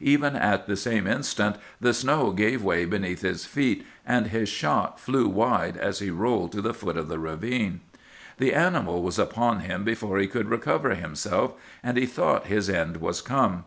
Even at the same instant the snow gave way beneath his feet, and his shot flew wide as he rolled to the foot of the ravine. "The animal was upon him before he could recover himself, and he thought his end was come.